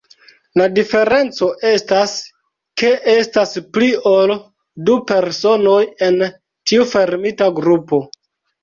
La diferenco estas, ke estas pli ol du personoj en tiu fermita grupo.